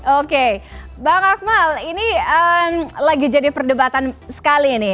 oke bang akmal ini lagi jadi perdebatan sekali nih